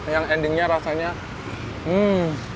yang endingnya rasanya hmm